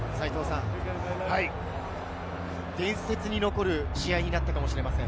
伝説に残る試合になったかもしれません。